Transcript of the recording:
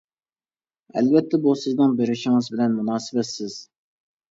ئەلۋەتتە بۇ سىزنىڭ بېرىشىڭىز بىلەن مۇناسىۋەتسىز.